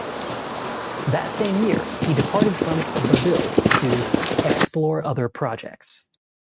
That same year, he departed from "The Bill" to "explore other projects".